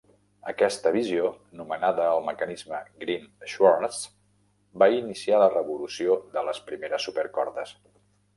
Aquesta visió, nomenada el mecanisme Green-Schwarz, va iniciar la revolució de les primeres supercordes.